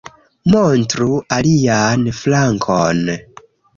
Montru alian flankon